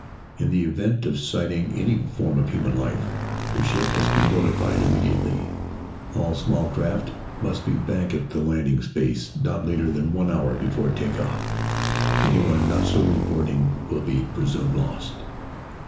In the event of sighting any form of human life, the ship MUST be notified immediately. All small craft must be back at the landing space not later than one hour before take off. Anyone not so reporting will be presumed lost."